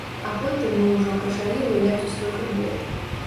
А потым мы ўжо пачалі гуляць у свой футбол.